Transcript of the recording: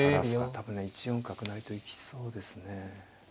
多分ね１四角成と行きそうですね。